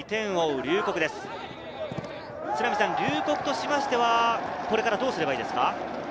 龍谷としては、これからどうすればいいです